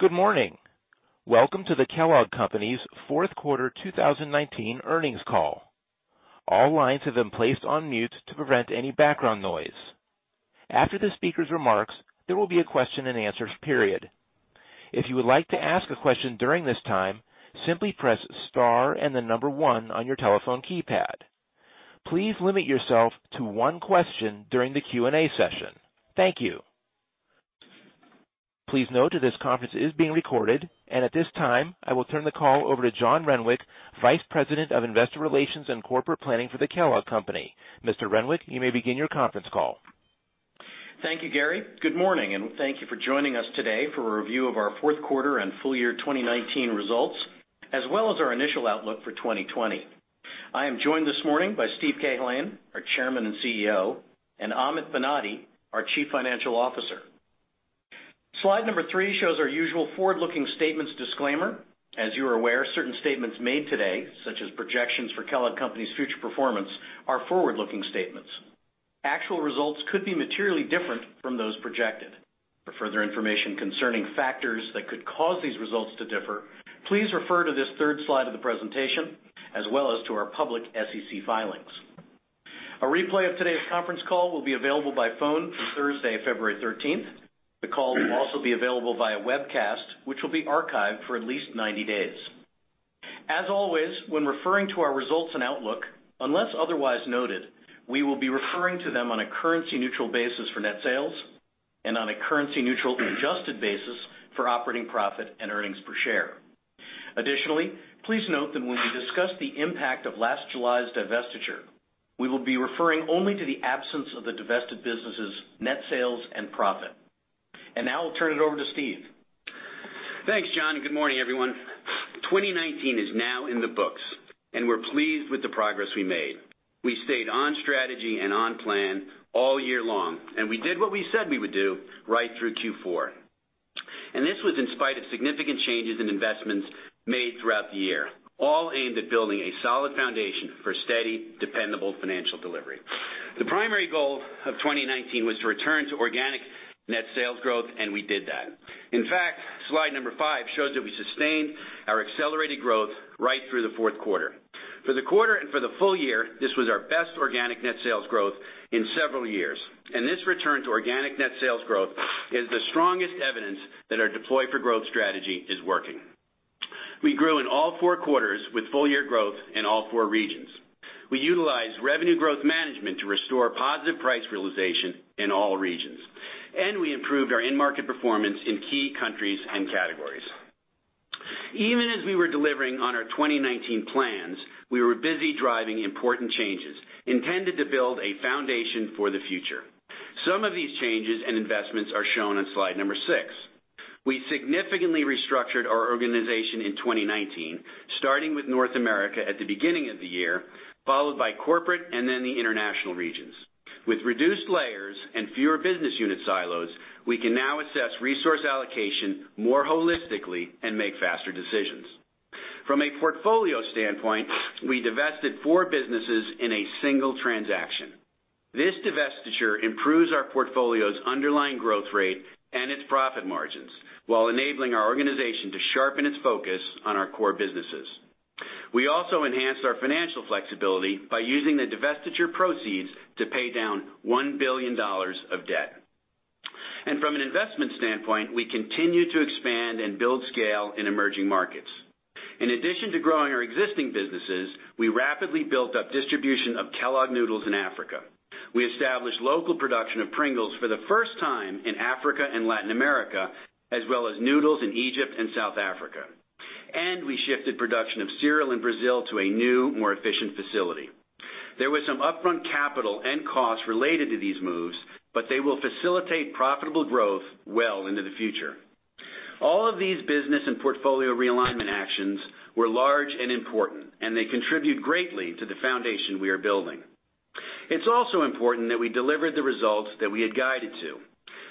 Good morning. Welcome to the Kellogg Company's Fourth Quarter 2019 Earnings Call. All lines have been placed on mute to prevent any background noise. After the speaker's remarks, there will be a question and answers period. If you would like to ask a question during this time, simply press star and the number one on your telephone keypad. Please limit yourself to one question during the Q&A session. Thank you. Please note that this conference is being recorded, and at this time, I will turn the call over to John Renwick, Vice President of Investor Relations and Corporate Planning for the Kellogg Company. Mr. Renwick, you may begin your conference call. Thank you, Gary. Good morning, and thank you for joining us today for a review of our fourth quarter and full year 2019 results, as well as our initial outlook for 2020. I am joined this morning by Steve Cahillane, our Chairman and CEO, and Amit Banati, our Chief Financial Officer. Slide number three shows our usual forward-looking statements disclaimer. As you are aware, certain statements made today, such as projections for Kellogg Company's future performance, are forward-looking statements. Actual results could be materially different from those projected. For further information concerning factors that could cause these results to differ, please refer to this third slide of the presentation, as well as to our public SEC filings. A replay of today's conference call will be available by phone through Thursday, February 13th. The call will also be available via webcast, which will be archived for at least 90 days. As always, when referring to our results and outlook, unless otherwise noted, we will be referring to them on a currency-neutral basis for net sales and on a currency-neutral adjusted basis for operating profit and earnings per share. Additionally, please note that when we discuss the impact of last July's divestiture, we will be referring only to the absence of the divested businesses' net sales and profit. Now I'll turn it over to Steve. Thanks, John. Good morning, everyone. 2019 is now in the books, and we're pleased with the progress we made. We stayed on strategy and on plan all year long, and we did what we said we would do right through Q4. This was in spite of significant changes in investments made throughout the year, all aimed at building a solid foundation for steady, dependable financial delivery. The primary goal of 2019 was to return to organic net sales growth, and we did that. In fact, slide number five shows that we sustained our accelerated growth right through the fourth quarter. For the quarter and for the full year, this was our best organic net sales growth in several years, and this return to organic net sales growth is the strongest evidence that our Deploy for Growth strategy is working. We grew in all four quarters with full-year growth in all four regions. We utilized revenue growth management to restore positive price realization in all regions, and we improved our end market performance in key countries and categories. Even as we were delivering on our 2019 plans, we were busy driving important changes intended to build a foundation for the future. Some of these changes and investments are shown on slide number six. We significantly restructured our organization in 2019, starting with North America at the beginning of the year, followed by corporate and then the international regions. With reduced layers and fewer business unit silos, we can now assess resource allocation more holistically and make faster decisions. From a portfolio standpoint, we divested four businesses in a single transaction. This divestiture improves our portfolio's underlying growth rate and its profit margins while enabling our organization to sharpen its focus on our core businesses. We also enhanced our financial flexibility by using the divestiture proceeds to pay down $1 billion of debt. From an investment standpoint, we continue to expand and build scale in emerging markets. In addition to growing our existing businesses, we rapidly built up distribution of Kellogg noodles in Africa. We established local production of Pringles for the first time in Africa and Latin America, as well as noodles in Egypt and South Africa. We shifted production of cereal in Brazil to a new, more efficient facility. There was some upfront capital and cost related to these moves, but they will facilitate profitable growth well into the future. All of these business and portfolio realignment actions were large and important, and they contribute greatly to the foundation we are building. It's also important that we deliver the results that we had guided to.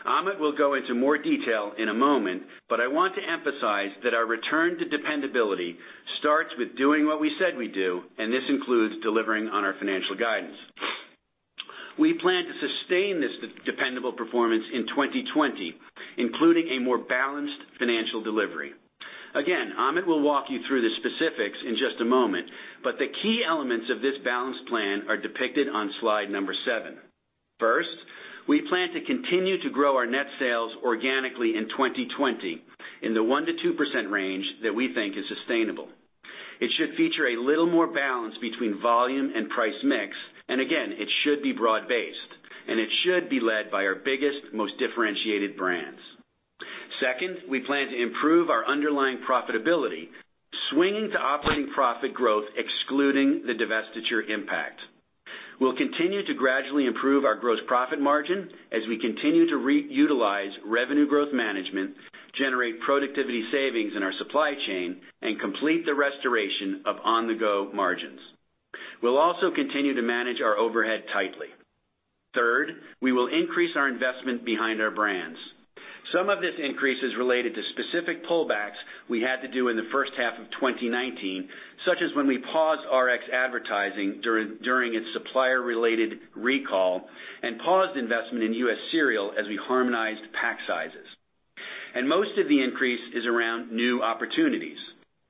Amit will go into more detail in a moment, but I want to emphasize that our return to dependability starts with doing what we said we'd do, and this includes delivering on our financial guidance. We plan to sustain this dependable performance in 2020, including a more balanced financial delivery. Again, Amit will walk you through the specifics in just a moment, but the key elements of this balanced plan are depicted on slide number seven. First, we plan to continue to grow our net sales organically in 2020 in the 1%-2% range that we think is sustainable. It should feature a little more balance between volume and price mix, and again, it should be broad based, and it should be led by our biggest, most differentiated brands. Second, we plan to improve our underlying profitability, swinging to operating profit growth excluding the divestiture impact. We'll continue to gradually improve our gross profit margin as we continue to reutilize revenue growth management, generate productivity savings in our supply chain, and complete the restoration of on-the-go margins. We'll also continue to manage our overhead tightly. Third, we will increase our investment behind our brands. Some of this increase is related to specific pullbacks we had to do in the first half of 2019, such as when we paused RXBAR advertising during its supplier-related recall and paused investment in U.S. Cereal as we harmonized pack sizes. Most of the increase is around new opportunities.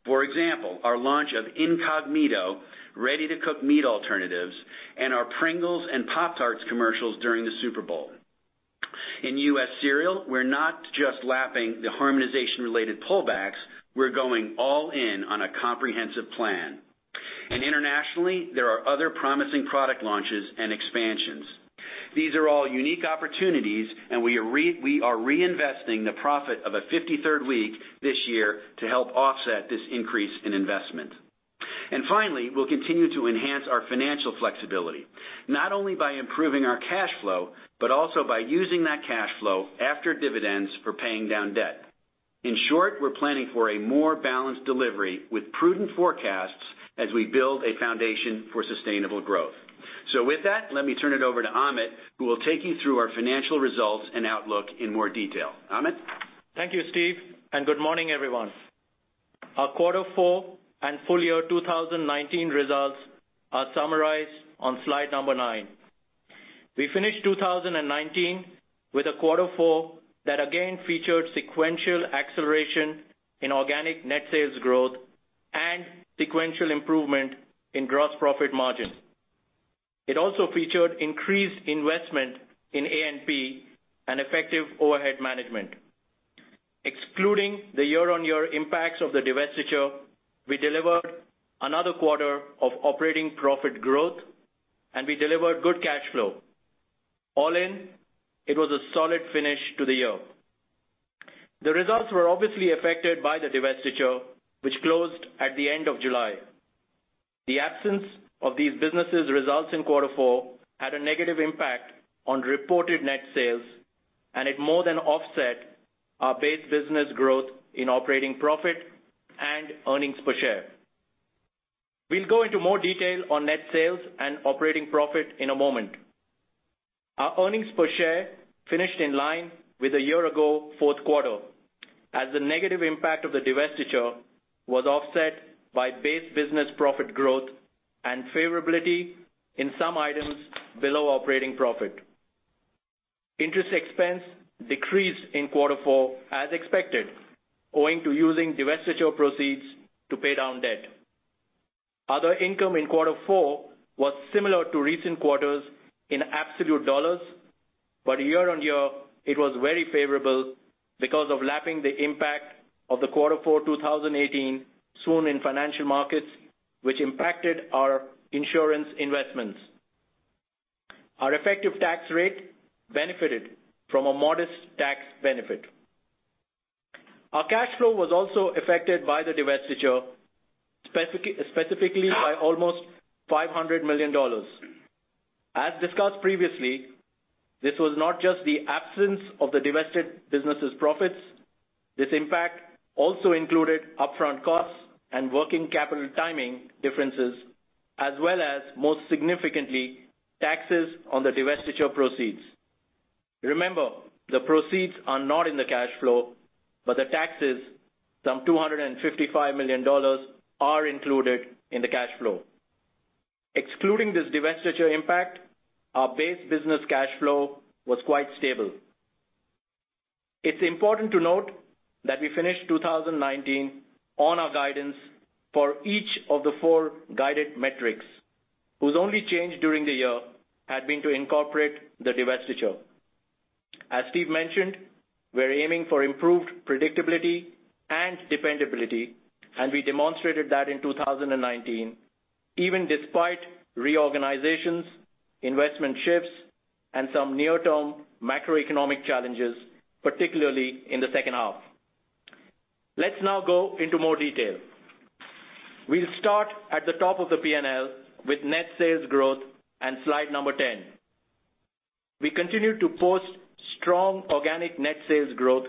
For example, our launch of Incogmeato ready-to-cook meat alternatives and our Pringles and Pop-Tarts commercials during the Super Bowl. In U.S. Cereal, we're not just lapping the harmonization related pullbacks, we're going all in on a comprehensive plan. Internationally, there are other promising product launches and expansions. These are all unique opportunities, and we are reinvesting the profit of a 53rd week this year to help offset this increase in investment. Finally, we'll continue to enhance our financial flexibility, not only by improving our cash flow, but also by using that cash flow after dividends for paying down debt. In short, we're planning for a more balanced delivery with prudent forecasts as we build a foundation for sustainable growth. With that, let me turn it over to Amit, who will take you through our financial results and outlook in more detail. Amit? Thank you, Steve, and good morning, everyone. Our Q4 and full year 2019 results are summarized on slide number nine. We finished 2019 with a Q4 that again featured sequential acceleration in organic net sales growth and sequential improvement in gross profit margin. It also featured increased investment in A&P and effective overhead management. Excluding the year-on-year impacts of the divestiture, we delivered another quarter of operating profit growth, and we delivered good cash flow. All in, it was a solid finish to the year. The results were obviously affected by the divestiture, which closed at the end of July. The absence of these businesses' results in Q4 had a negative impact on reported net sales, and it more than offset our base business growth in operating profit and earnings per share. We'll go into more detail on net sales and operating profit in a moment. Our earnings per share finished in line with a year ago fourth quarter, as the negative impact of the divestiture was offset by base business profit growth and favorability in some items below operating profit. Interest expense decreased in Q4 as expected, owing to using divestiture proceeds to pay down debt. Other income in Q4 was similar to recent quarters in absolute dollars, but year-on-year, it was very favorable because of lapping the impact of the Q4 2018 swoon in financial markets, which impacted our insurance investments. Our effective tax rate benefited from a modest tax benefit. Our cash flow was also affected by the divestiture, specifically by almost $500 million. As discussed previously, this was not just the absence of the divested businesses' profits. This impact also included upfront costs and working capital timing differences as well as, most significantly, taxes on the divestiture proceeds. Remember, the proceeds are not in the cash flow, but the taxes, some $255 million, are included in the cash flow. Excluding this divestiture impact, our base business cash flow was quite stable. It is important to note that we finished 2019 on our guidance for each of the four guided metrics, whose only change during the year had been to incorporate the divestiture. As Steve mentioned, we are aiming for improved predictability and dependability, and we demonstrated that in 2019, even despite reorganizations, investment shifts, and some near-term macroeconomic challenges, particularly in the second half. Let's now go into more detail. We will start at the top of the P&L with net sales growth and slide number 10. We continued to post strong organic net sales growth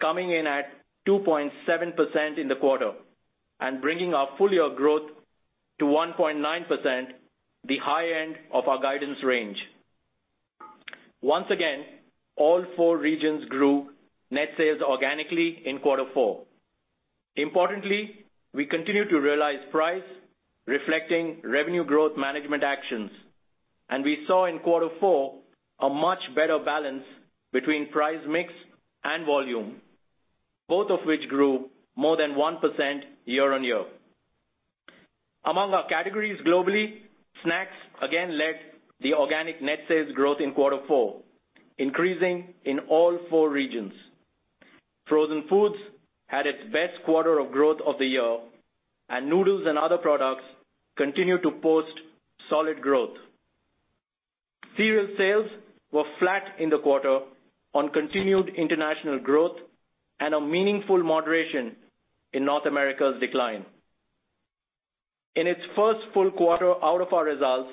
coming in at 2.7% in the quarter and bringing our full year growth to 1.9%, the high end of our guidance range. Once again, all four regions grew net sales organically in Q4. Importantly, we continue to realize price reflecting revenue growth management actions, and we saw in Q4 a much better balance between price mix and volume, both of which grew more than 1% year-on-year. Among our categories globally, snacks again led the organic net sales growth in Q4, increasing in all four regions. Frozen Foods had its best quarter of growth of the year, and noodles and other products continued to post solid growth. Cereal sales were flat in the quarter on continued international growth and a meaningful moderation in North America's decline. In its first full quarter out of our results,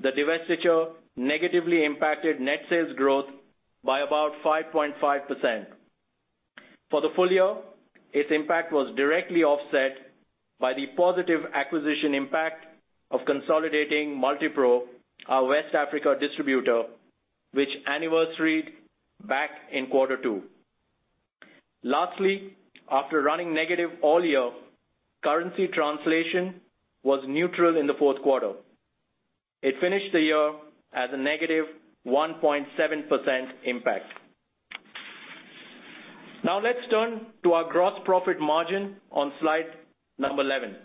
the divestiture negatively impacted net sales growth by about 5.5%. For the full year, its impact was directly offset by the positive acquisition impact of consolidating Multipro, our West Africa distributor, which anniversaried back in Q2. After running negative all year, currency translation was neutral in the fourth quarter. It finished the year as a -1.7% impact. Let's turn to our gross profit margin on slide number 11.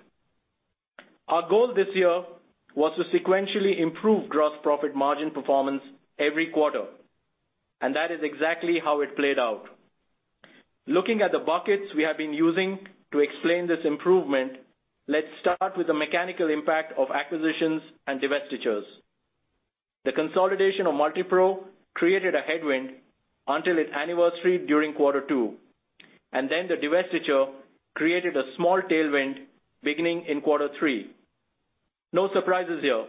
Our goal this year was to sequentially improve gross profit margin performance every quarter, that is exactly how it played out. Looking at the buckets we have been using to explain this improvement, let's start with the mechanical impact of acquisitions and divestitures. The consolidation of Multipro created a headwind until its anniversary during quarter two, the divestiture created a small tailwind beginning in quarter three. No surprises here,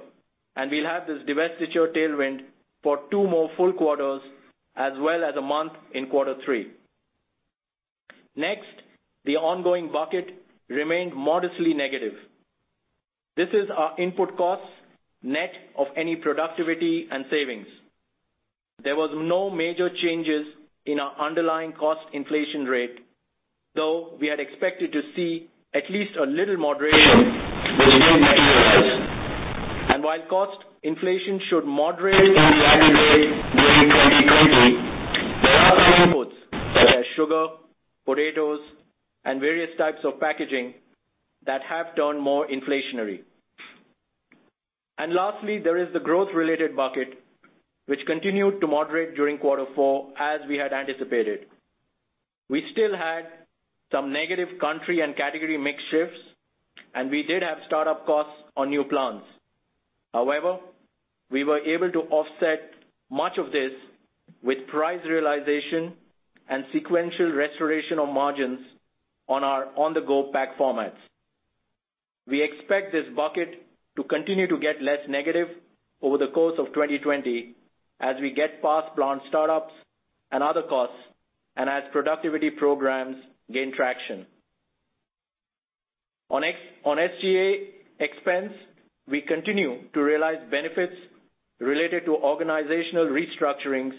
and we'll have this divestiture tailwind for two more full quarters, as well as a month in quarter three. Next, the ongoing bucket remained modestly negative. This is our input costs net of any productivity and savings. There was no major changes in our underlying cost inflation rate, though we had expected to see at least a little moderation, which didn't materialize. While cost inflation should moderate gradually during 2020, there are some inputs, such as sugar, potatoes, and various types of packaging that have turned more inflationary. Lastly, there is the growth-related bucket, which continued to moderate during quarter four as we had anticipated. We still had some negative country and category mix shifts, and we did have start-up costs on new plants. However, we were able to offset much of this with price realization and sequential restoration of margins on our on-the-go pack formats. We expect this bucket to continue to get less negative over the course of 2020 as we get past plant start-ups and other costs and as productivity programs gain traction. On SG&A expense, we continue to realize benefits related to organizational restructurings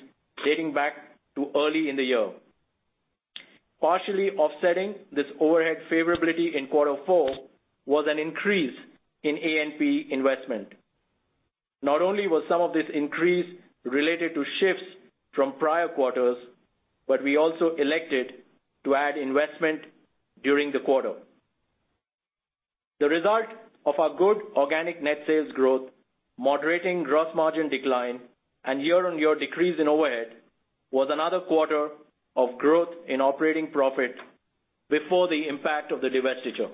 dating back to early in the year. Partially offsetting this overhead favorability in quarter four was an increase in A&P investment. Not only was some of this increase related to shifts from prior quarters, but we also elected to add investment during the quarter. The result of our good organic net sales growth, moderating gross margin decline, and year-on-year decrease in overhead was another quarter of growth in operating profit before the impact of the divestiture.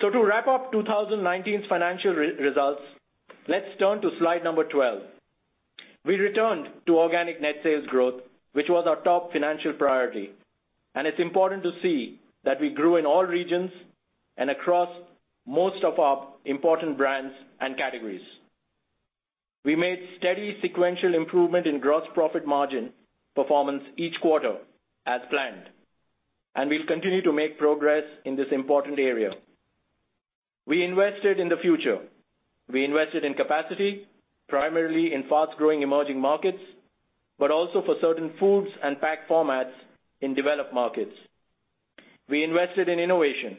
To wrap up 2019's financial results, let's turn to slide number 12. We returned to organic net sales growth, which was our top financial priority, and it's important to see that we grew in all regions and across most of our important brands and categories. We made steady sequential improvement in gross profit margin performance each quarter as planned, and we'll continue to make progress in this important area. We invested in the future. We invested in capacity, primarily in fast-growing emerging markets, but also for certain foods and pack formats in developed markets. We invested in innovation,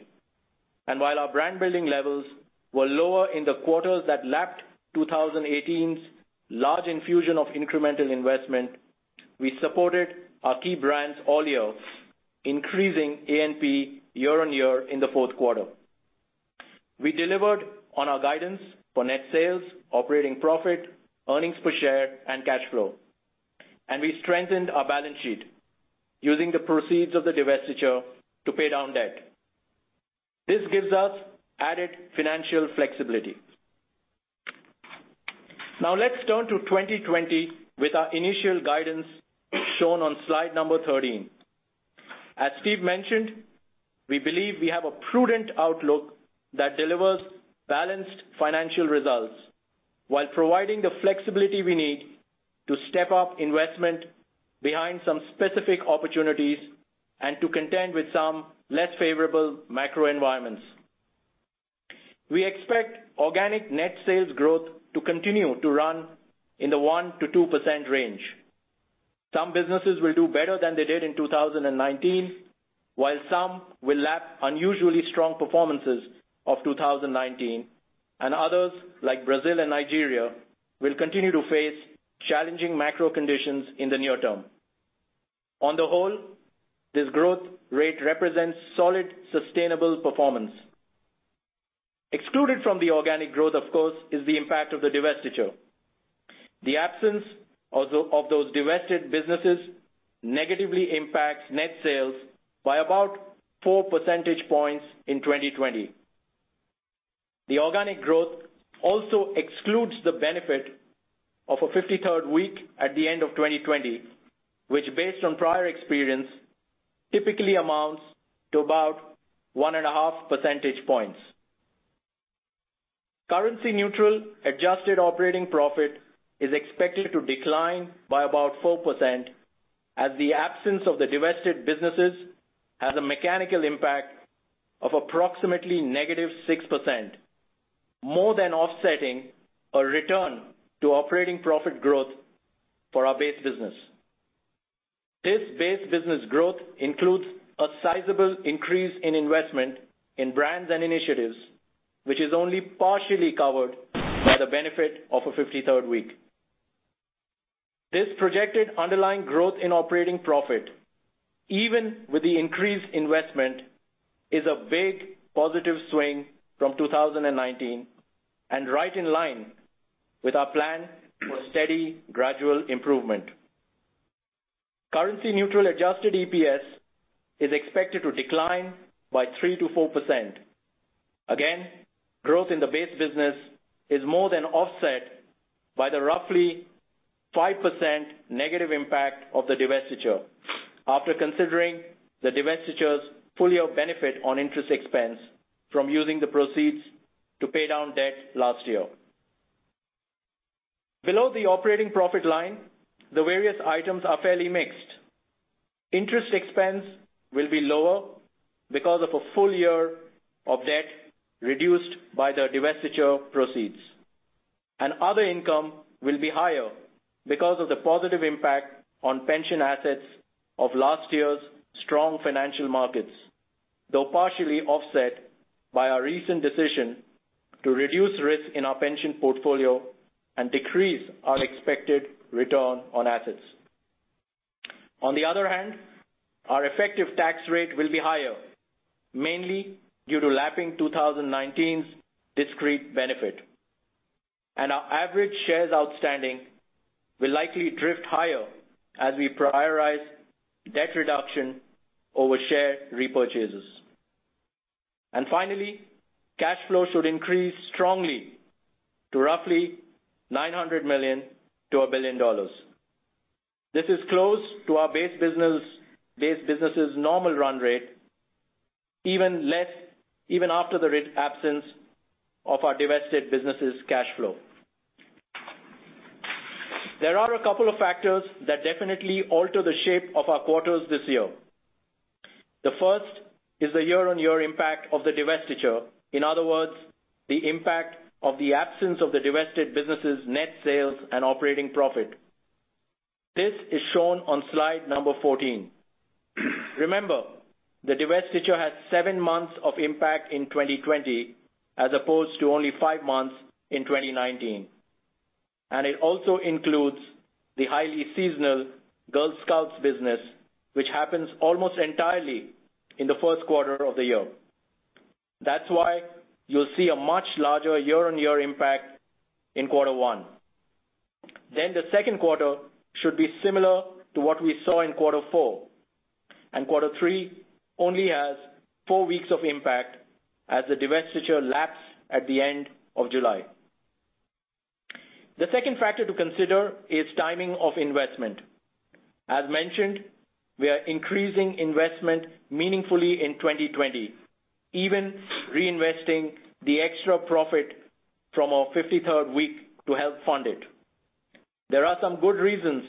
and while our brand-building levels were lower in the quarters that lapped 2018's large infusion of incremental investment, we supported our key brands all year, increasing A&P year-on-year in the fourth quarter. We delivered on our guidance for net sales, operating profit, earnings per share, and cash flow. We strengthened our balance sheet using the proceeds of the divestiture to pay down debt. This gives us added financial flexibility. Let's turn to 2020 with our initial guidance shown on slide number 13. As Steve mentioned, we believe we have a prudent outlook that delivers balanced financial results while providing the flexibility we need to step up investment behind some specific opportunities and to contend with some less favorable macro environments. We expect organic net sales growth to continue to run in the 1%-2% range. Some businesses will do better than they did in 2019, while some will lap unusually strong performances of 2019, and others, like Brazil and Nigeria, will continue to face challenging macro conditions in the near term. This growth rate represents solid, sustainable performance. Excluded from the organic growth, of course, is the impact of the divestiture. The absence of those divested businesses negatively impacts net sales by about 4 percentage points in 2020. The organic growth also excludes the benefit of a 53rd week at the end of 2020, which based on prior experience, typically amounts to about 1.5 percentage points. Currency neutral adjusted operating profit is expected to decline by about 4% as the absence of the divested businesses has a mechanical impact of approximately -6%, more than offsetting a return to operating profit growth for our base business. This base business growth includes a sizable increase in investment in brands and initiatives, which is only partially covered by the benefit of a 53rd week. This projected underlying growth in operating profit, even with the increased investment, is a big positive swing from 2019 and right in line with our plan for steady gradual improvement. Currency neutral adjusted EPS is expected to decline by 3%-4%. Growth in the base business is more than offset by the roughly 5% negative impact of the divestiture after considering the divestiture's full year benefit on interest expense from using the proceeds to pay down debt last year. Below the operating profit line, the various items are fairly mixed. Interest expense will be lower because of a full year of debt reduced by the divestiture proceeds. Other income will be higher because of the positive impact on pension assets of last year's strong financial markets, though partially offset by our recent decision to reduce risk in our pension portfolio and decrease our expected return on assets. Our effective tax rate will be higher, mainly due to lapping 2019's discrete benefit. Our average shares outstanding will likely drift higher as we prioritize debt reduction over share repurchases. Finally, cash flow should increase strongly to roughly $900 million to $1 billion. This is close to our base business's normal run rate, even after the absence of our divested business's cash flow. There are a couple of factors that definitely alter the shape of our quarters this year. The first is the year-on-year impact of the divestiture. In other words, the impact of the absence of the divested business's net sales and operating profit. This is shown on slide number 14. Remember, the divestiture has seven months of impact in 2020 as opposed to only five months in 2019. It also includes the highly seasonal Girl Scouts business, which happens almost entirely in the first quarter of the year. That's why you'll see a much larger year-on-year impact in quarter one. The second quarter should be similar to what we saw in quarter four, and quarter three only has four weeks of impact as the divestiture laps at the end of July. The second factor to consider is timing of investment. As mentioned, we are increasing investment meaningfully in 2020, even reinvesting the extra profit from our 53rd week to help fund it. There are some good reasons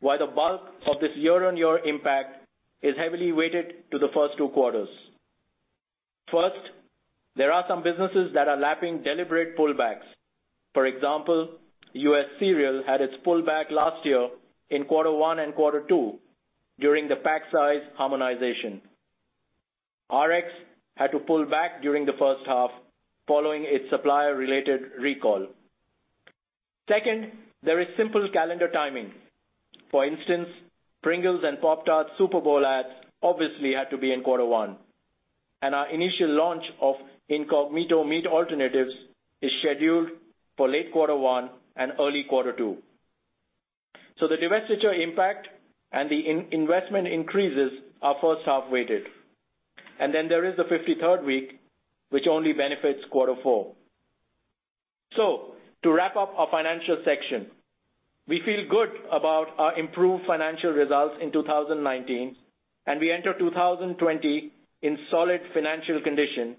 why the bulk of this year-on-year impact is heavily weighted to the first two quarters. First, there are some businesses that are lapping deliberate pullbacks. For example, U.S. Cereal had its pullback last year in quarter one and quarter two during the pack size harmonization. RXBAR had to pull back during the first half following its supplier related recall. Second, there is simple calendar timing. For instance, Pringles and Pop-Tarts Super Bowl ads obviously had to be in quarter one, our initial launch of Incogmeato meat alternatives is scheduled for late quarter one and early quarter two. The divestiture impact and the investment increases are first half weighted. Then there is the 53rd week, which only benefits quarter four. To wrap up our financial section, we feel good about our improved financial results in 2019, we enter 2020 in solid financial condition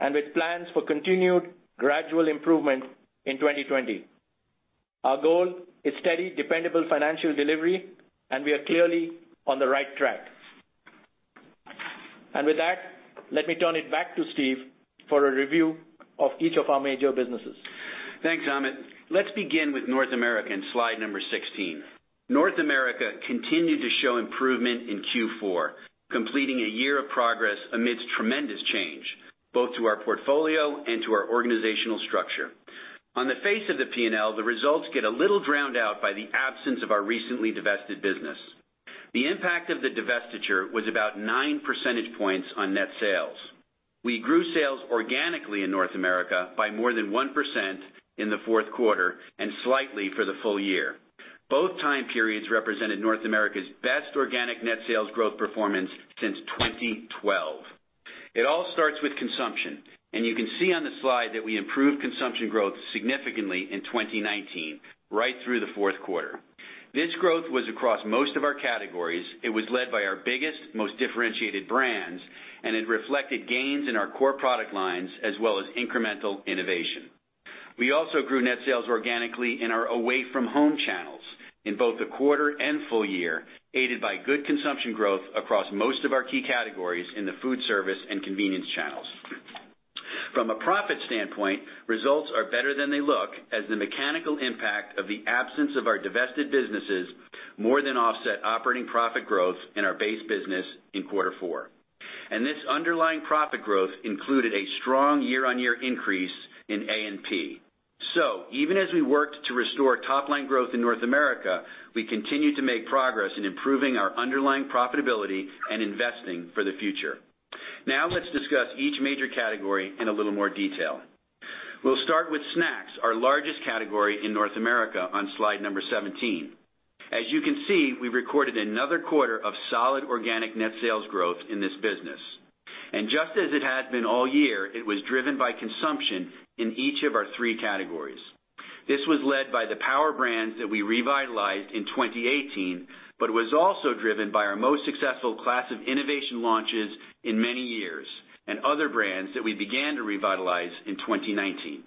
and with plans for continued gradual improvement in 2020. Our goal is steady, dependable financial delivery, we are clearly on the right track. With that, let me turn it back to Steve for a review of each of our major businesses. Thanks, Amit. Let's begin with North America in slide number 16. North America continued to show improvement in Q4, completing a year of progress amidst tremendous change, both to our portfolio and to our organizational structure. On the face of the P&L, the results get a little drowned out by the absence of our recently divested business. The impact of the divestiture was about 9 percentage points on net sales. We grew sales organically in North America by more than 1% in the fourth quarter and slightly for the full year. Both time periods represented North America's best organic net sales growth performance since 2012. You can see on the slide that we improved consumption growth significantly in 2019, right through the fourth quarter. This growth was across most of our categories. It was led by our biggest, most differentiated brands, and it reflected gains in our core product lines as well as incremental innovation. We also grew net sales organically in our away from home channels in both the quarter and full year, aided by good consumption growth across most of our key categories in the food service and convenience channels. From a profit standpoint, results are better than they look as the mechanical impact of the absence of our divested businesses more than offset operating profit growth in our base business in Q4. This underlying profit growth included a strong year-on-year increase in A&P. Even as we worked to restore top-line growth in North America, we continued to make progress in improving our underlying profitability and investing for the future. Now let's discuss each major category in a little more detail. We'll start with Snacks, our largest category in North America on slide number 17. As you can see, we recorded another quarter of solid organic net sales growth in this business. Just as it has been all year, it was driven by consumption in each of our three categories. This was led by the power brands that we revitalized in 2018, but was also driven by our most successful class of innovation launches in many years, and other brands that we began to revitalize in 2019.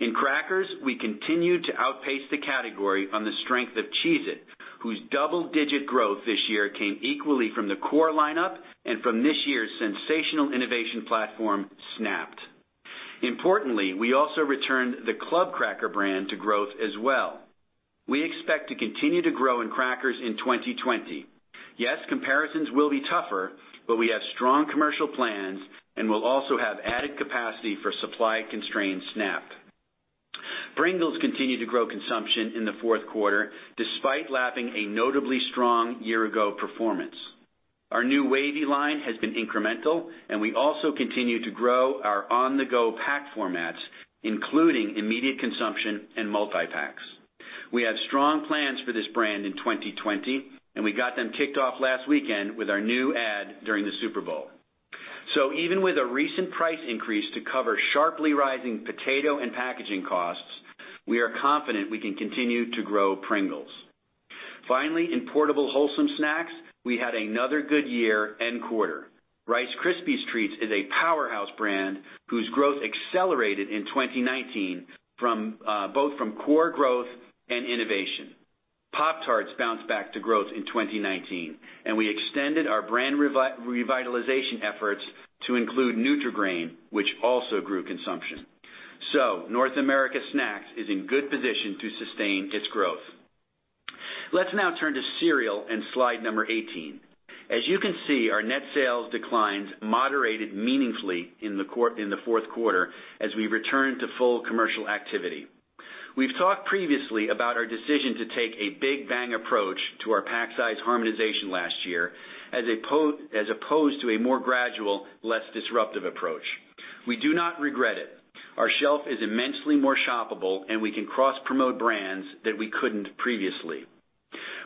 In crackers, we continued to outpace the category on the strength of Cheez-It, whose double-digit growth this year came equally from the core lineup and from this year's sensational innovation platform, Snap'd. Importantly, we also returned the Club Crackers brand to growth as well. We expect to continue to grow in crackers in 2020. Comparisons will be tougher, but we have strong commercial plans and will also have added capacity for supply-constrained Snap'd. Pringles continued to grow consumption in the fourth quarter, despite lapping a notably strong year-ago performance. Our new Wavy line has been incremental, and we also continue to grow our on-the-go pack formats, including immediate consumption and multipacks. We have strong plans for this brand in 2020, and we got them kicked off last weekend with our new ad during the Super Bowl. Even with a recent price increase to cover sharply rising potato and packaging costs, we are confident we can continue to grow Pringles. In Portable Wholesome Snacks, we had another good year end quarter. Rice Krispies Treats is a powerhouse brand whose growth accelerated in 2019, both from core growth and innovation. Pop-Tarts bounced back to growth in 2019. We extended our brand revitalization efforts to include Nutri-Grain, which also grew consumption. North America Snacks is in good position to sustain its growth. Let's now turn to Cereal and slide number 18. As you can see, our net sales declines moderated meaningfully in the fourth quarter as we return to full commercial activity. We've talked previously about our decision to take a big bang approach to our pack size harmonization last year, as opposed to a more gradual, less disruptive approach. We do not regret it. Our shelf is immensely more shoppable. We can cross-promote brands that we couldn't previously.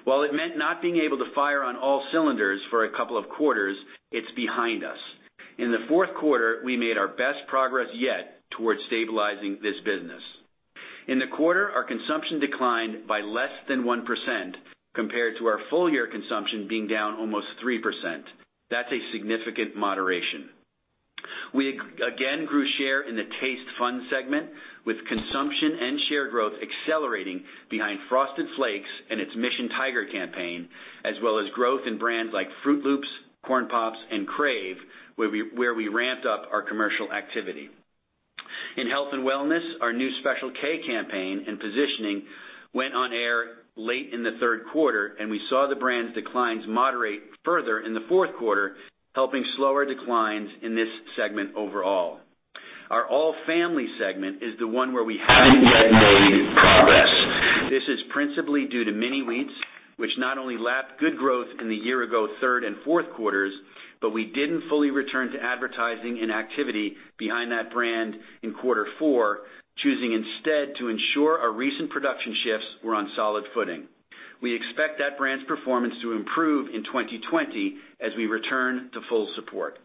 While it meant not being able to fire on all cylinders for a couple of quarters, it's behind us. In the fourth quarter, we made our best progress yet towards stabilizing this business. In the quarter, our consumption declined by less than 1% compared to our full-year consumption being down almost 3%. That's a significant moderation. We again grew share in the Taste/Fun segment with consumption and share growth accelerating behind Frosted Flakes and its Mission Tiger campaign, as well as growth in brands like Froot Loops, Corn Pops, and Krave, where we ramped up our commercial activity. In health and wellness, our new Special K campaign and positioning went on air late in the third quarter, we saw the brand's declines moderate further in the fourth quarter, helping slower declines in this segment overall. Our all family segment is the one where we haven't yet made progress. This is principally due to Mini-Wheats, which not only lapped good growth in the year ago, third and fourth quarters, but we didn't fully return to advertising and activity behind that brand in quarter four, choosing instead to ensure our recent production shifts were on solid footing. We expect that brand's performance to improve in 2020 as we return to full support.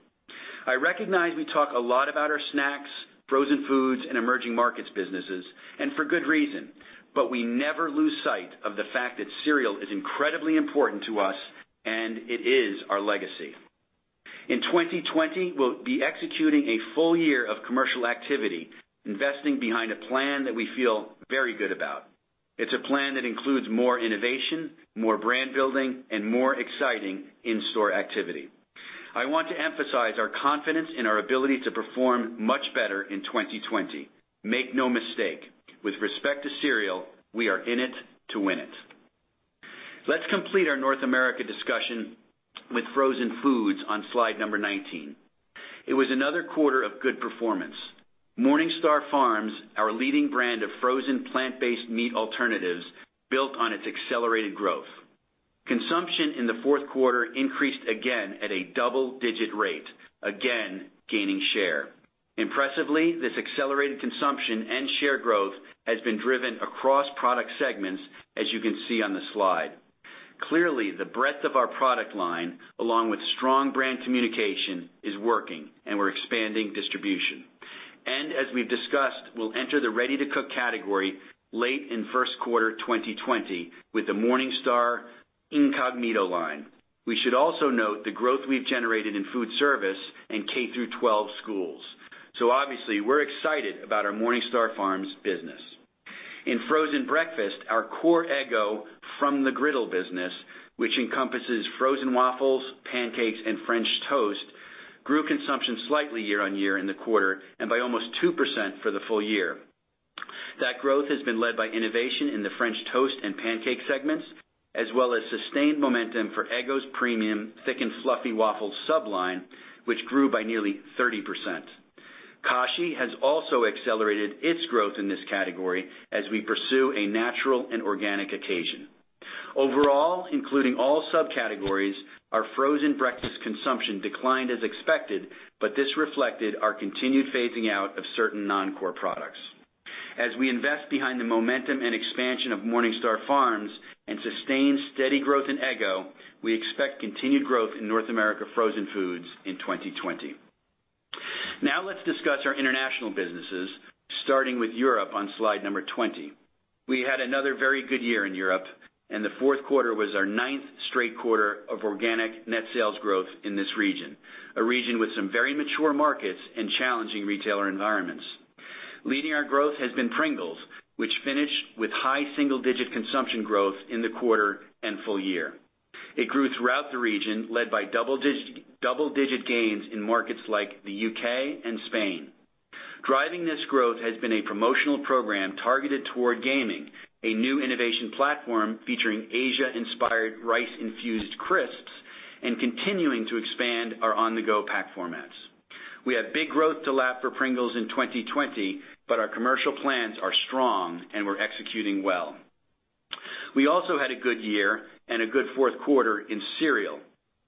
I recognize we talk a lot about our Snacks, Frozen Foods, and Emerging Markets businesses, and for good reason, but we never lose sight of the fact that Cereal is incredibly important to us, and it is our legacy. In 2020, we'll be executing a full year of commercial activity, investing behind a plan that we feel very good about. It's a plan that includes more innovation, more brand building, and more exciting in-store activity. I want to emphasize our confidence in our ability to perform much better in 2020. Make no mistake, with respect to Cereal, we are in it to win it. Let's complete our North America discussion with Frozen Foods on slide number 19. It was another quarter of good performance. MorningStar Farms, our leading brand of frozen plant-based meat alternatives, built on its accelerated growth. Consumption in the fourth quarter increased again at a double-digit rate, again gaining share. Impressively, this accelerated consumption and share growth has been driven across product segments, as you can see on the slide. Clearly, the breadth of our product line, along with strong brand communication, is working, and we're expanding distribution. As we've discussed, we'll enter the ready-to-cook category late in first quarter 2020 with the MorningStar Incogmeato line. We should also note the growth we've generated in Food Service and K-12 schools. Obviously, we're excited about our MorningStar Farms business. In Frozen Breakfast, our core Eggo From The Griddle business, which encompasses frozen waffles, pancakes, and French toast, grew consumption slightly year-over-year in the quarter, and by almost 2% for the full year. That growth has been led by innovation in the French toast and pancake segments, as well as sustained momentum for Eggo's premium Thick & Fluffy waffle sub line, which grew by nearly 30%. Kashi has also accelerated its growth in this category as we pursue a natural and organic occasion. Overall, including all subcategories, our Frozen Breakfast consumption declined as expected, but this reflected our continued phasing out of certain non-core products. As we invest behind the momentum and expansion of MorningStar Farms and sustain steady growth in Eggo, we expect continued growth in North America Frozen Foods in 2020. Let's discuss our international businesses, starting with Europe on slide number 20. We had another very good year in Europe, the fourth quarter was our ninth straight quarter of organic net sales growth in this region, a region with some very mature markets and challenging retailer environments. Leading our growth has been Pringles, which finished with high single-digit consumption growth in the quarter and full year. It grew throughout the region, led by double-digit gains in markets like the U.K. and Spain. Driving this growth has been a promotional program targeted toward gaming, a new innovation platform featuring Asia-inspired rice-infused crisps, and continuing to expand our on-the-go pack formats. We have big growth to lap for Pringles in 2020, but our commercial plans are strong, and we're executing well. We also had a good year and a good fourth quarter in Cereal.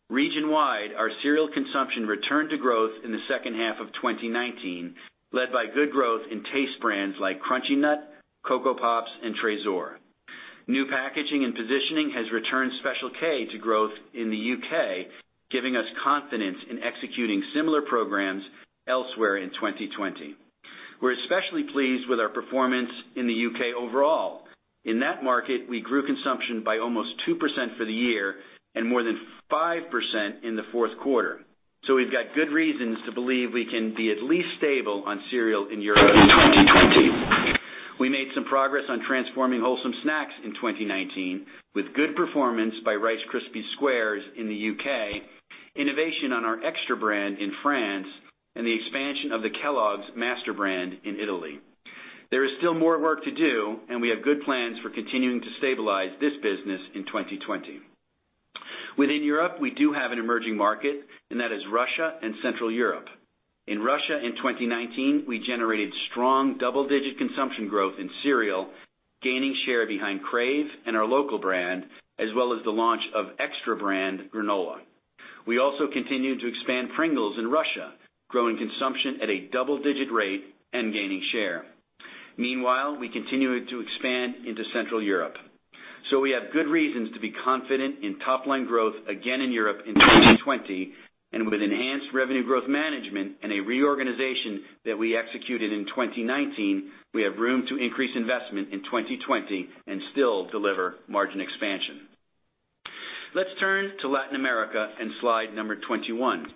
Region-wide, our Cereal consumption returned to growth in the second half of 2019, led by good growth in taste brands like Crunchy Nut, Coco Pops, and Tresor. New packaging and positioning has returned Special K to growth in the U.K., giving us confidence in executing similar programs elsewhere in 2020. We're especially pleased with our performance in the U.K. overall. In that market, we grew consumption by almost 2% for the year and more than 5% in the fourth quarter. We've got good reasons to believe we can be at least stable on Cereal in Europe in 2020. We made some progress on transforming wholesome snacks in 2019 with good performance by Rice Krispies Squares in the U.K., innovation on our Extra brand in France, and the expansion of the Kellogg's master brand in Italy. There is still more work to do, and we have good plans for continuing to stabilize this business in 2020. Within Europe, we do have an Emerging Market, and that is Russia and Central Europe. In Russia in 2019, we generated strong double-digit consumption growth in Cereal, gaining share behind Krave and our local brand, as well as the launch of Extra brand granola. We also continued to expand Pringles in Russia, growing consumption at a double-digit rate and gaining share. Meanwhile, we continued to expand into Central Europe. We have good reasons to be confident in top-line growth again in Europe in 2020, and with enhanced revenue growth management and a reorganization that we executed in 2019, we have room to increase investment in 2020 and still deliver margin expansion. Let's turn to Latin America and slide number 21.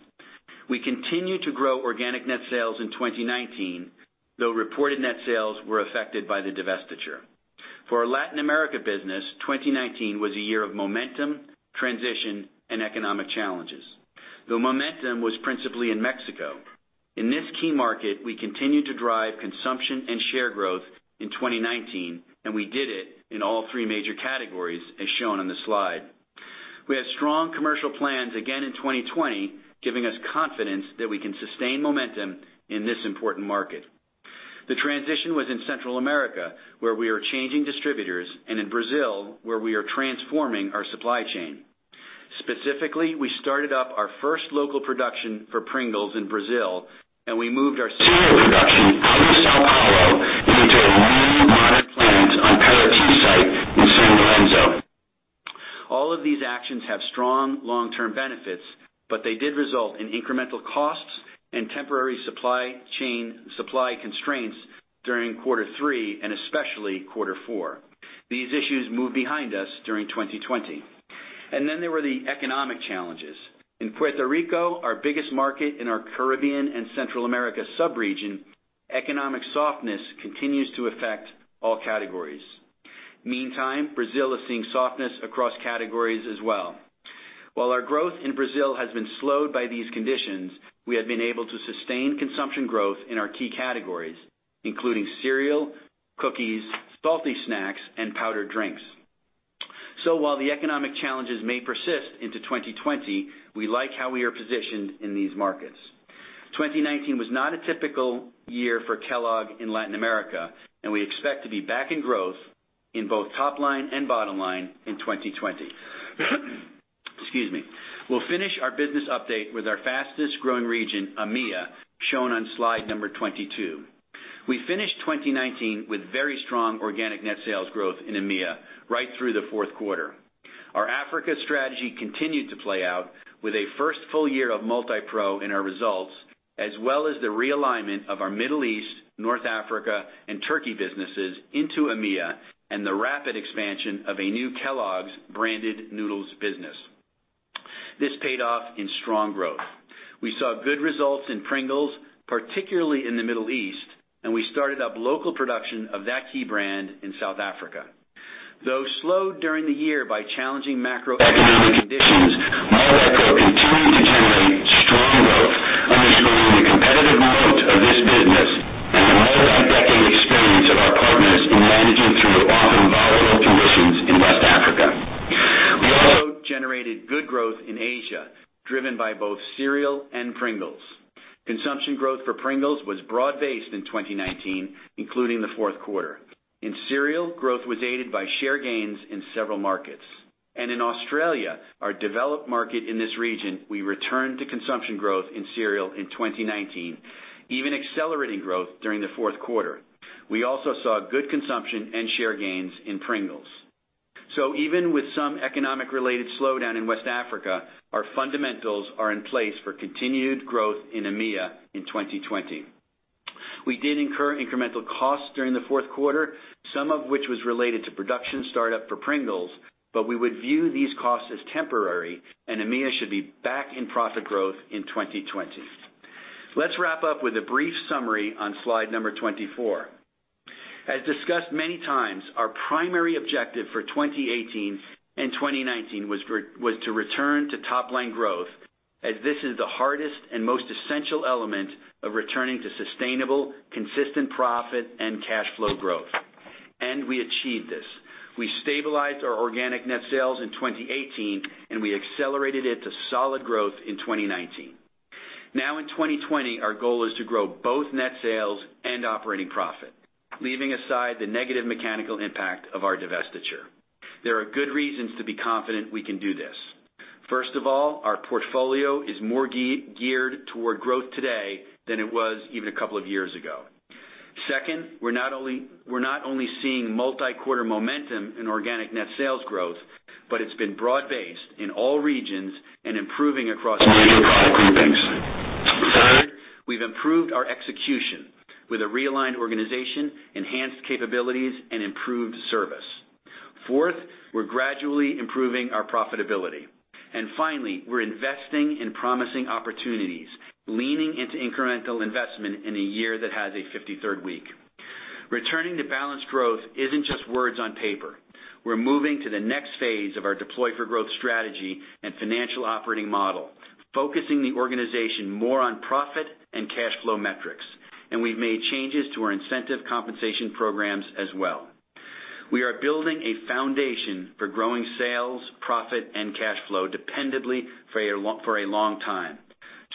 We continue to grow organic net sales in 2019, though reported net sales were affected by the divestiture. For our Latin America business, 2019 was a year of momentum, transition, and economic challenges. The momentum was principally in Mexico. In this key market, we continued to drive consumption and share growth in 2019, and we did it in all three major categories, as shown on the slide. We have strong commercial plans again in 2020, giving us confidence that we can sustain momentum in this important market. The transition was in Central America, where we are changing distributors, and in Brazil, where we are transforming our supply chain. Specifically, we started up our first local production for Pringles in Brazil, and we moved our cereal production out of São Paulo into a new modern plant on Parati site in São Lourenço do Oeste. All of these actions have strong long-term benefits, but they did result in incremental costs and temporary supply constraints during quarter three and especially quarter four. These issues moved behind us during 2020. Then there were the economic challenges. In Puerto Rico, our biggest market in our Caribbean and Central America sub-region, economic softness continues to affect all categories. Meantime, Brazil is seeing softness across categories as well. While our growth in Brazil has been slowed by these conditions, we have been able to sustain consumption growth in our key categories, including cereal, cookies, salty snacks, and powdered drinks. While the economic challenges may persist into 2020, we like how we are positioned in these markets. 2019 was not a typical year for Kellogg in Latin America. We expect to be back in growth in both top line and bottom line in 2020. Excuse me. We'll finish our business update with our fastest growing region, AMEA, shown on slide number 22. We finished 2019 with very strong organic net sales growth in AMEA right through the fourth quarter. Our Africa strategy continued to play out with a first full year of Multipro in our results, as well as the realignment of our Middle East, North Africa, and Turkey businesses into AMEA and the rapid expansion of a new Kellogg's branded noodles business. This paid off in strong growth. We saw good results in Pringles, particularly in the Middle East, and we started up local production of that key brand in South Africa. Though slowed during the year by challenging macroeconomic conditions, Multipro continued to generate strong growth, underscoring the competitive moat of this business and the multi-decade experience of our partners in managing through often volatile conditions in West Africa. We also generated good growth in Asia, driven by both Cereal and Pringles. Consumption growth for Pringles was broad-based in 2019, including the fourth quarter. In Cereal, growth was aided by share gains in several markets. In Australia, our developed market in this region, we returned to consumption growth in Cereal in 2019, even accelerating growth during the fourth quarter. We also saw good consumption and share gains in Pringles. Even with some economic-related slowdown in West Africa, our fundamentals are in place for continued growth in AMEA in 2020. We did incur incremental costs during the fourth quarter, some of which was related to production startup for Pringles, but we would view these costs as temporary, and AMEA should be back in profit growth in 2020. Let's wrap up with a brief summary on slide number 24. As discussed many times, our primary objective for 2018 and 2019 was to return to top-line growth, as this is the hardest and most essential element of returning to sustainable, consistent profit and cash flow growth. We achieved this. We stabilized our organic net sales in 2018, and we accelerated it to solid growth in 2019. Now in 2020, our goal is to grow both net sales and operating profit, leaving aside the negative mechanical impact of our divestiture. There are good reasons to be confident we can do this. First of all, our portfolio is more geared toward growth today than it was even a couple of years ago. Second, we're not only seeing multi-quarter momentum in organic net sales growth, but it's been broad-based in all regions and improving across major product groupings. Third, we've improved our execution with a realigned organization, enhanced capabilities, and improved service. Fourth, we're gradually improving our profitability. Finally, we're investing in promising opportunities, leaning into incremental investment in a year that has a 53rd week. Returning to balanced growth isn't just words on paper. We're moving to the next phase of our Deploy for Growth strategy and financial operating model, focusing the organization more on profit and cash flow metrics. We've made changes to our incentive compensation programs as well. We are building a foundation for growing sales, profit, and cash flow dependably for a long time.